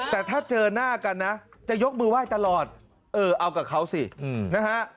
แต่ถ้าเจอหน้ากันนะจะยกมือไหว้ตลอดเออเอากับเขาสินะฮะ